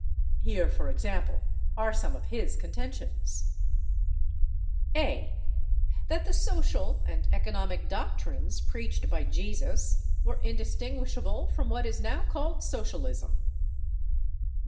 Here, for example, are some of his contentions: (a) That the social and economic doctrines preached by Jesus were indistinguishable from what is now called Socialism.